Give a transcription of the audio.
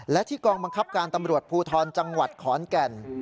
และที่กองบังคับการตำรวจภูทรจังหวัดขอนแก่น